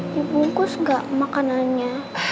dibungkus gak makanannya